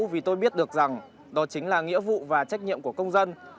vì tôi biết được rằng đó chính là nghĩa vụ và trách nhiệm của công dân